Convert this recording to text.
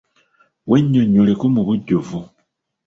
Wennyonnyoleko mu bujjuvu.